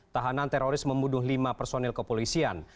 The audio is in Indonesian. tahanan teroris membunuh lima personil kepolisian